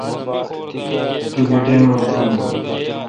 توگہ ٹیم رل ترونجون؟